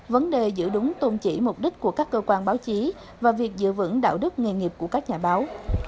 vấn đề giữ đúng tôn chỉ mục đích của các cơ quan báo chí và việc giữ vững đạo đức nghề nghiệp của các nhà báo